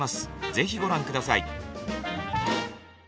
ぜひご覧下さい。